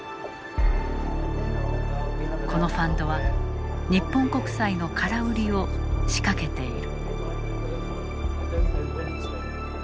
このファンドは日本国債の空売りを仕掛けている。